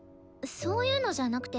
そういうのじゃなくて。